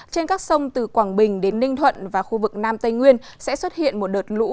trên các sông từ quảng bình đến ninh thuận và khu vực nam tây nguyên sẽ xuất hiện một đợt lũ